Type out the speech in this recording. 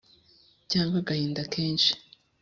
cyangwa agahinda kenshi